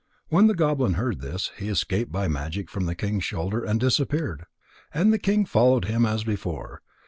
When the goblin heard this, he escaped by magic from the king's shoulder, and disappeared. And the king followed him as before.